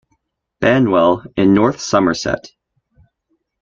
Banwell in North Somerset.